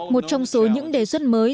một trong số những đề xuất mới